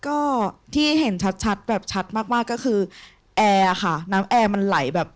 ก็ที่เห็นชัดแบบชัดมากก็คือแอบแม้มันไหลแบบ